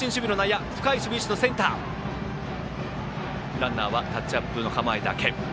ランナーはタッチアップの構えだけ。